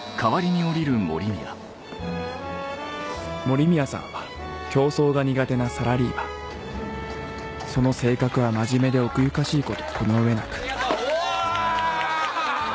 森宮さんは競争が苦手なサラリーマンその性格は真面目で奥ゆかしいことこの上なくおぉ！